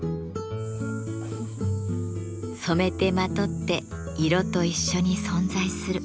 染めてまとって色と一緒に存在する。